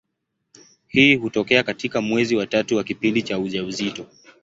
Hii hutokea katika mwezi wa tatu wa kipindi cha ujauzito.